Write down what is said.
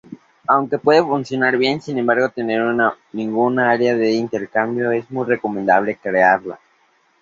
Aunque puede funcionar bien sin tener ningún área de intercambio, es muy recomendable crearla.